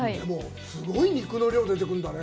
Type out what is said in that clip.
すごい肉の量が出てくるんだね！